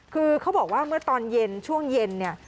คือเขาบอกว่าเมื่อตอนเย็นช่วงเย็นเนี่ย